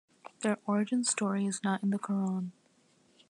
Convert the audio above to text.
Their origin story is not in the Quran.